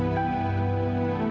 orang terima kasih